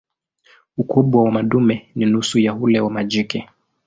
Ukubwa wa madume ni nusu ya ule wa majike.